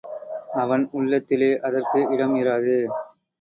அவன் உள்ளத்திலே அதற்கு இடம் இராது.